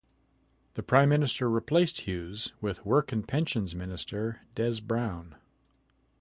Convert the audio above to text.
The prime minister replaced Hughes with Work and Pensions Minister Des Browne.